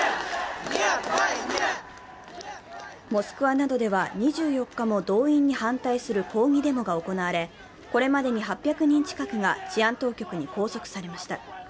モスクワなどでは２４日も動員に反対する抗議デモが行われこれまでに８００人近くが治安当局に拘束されました。